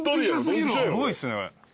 すごいっすね。